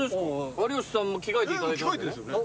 有吉さんも着替えていただいた着替えてるんですよね？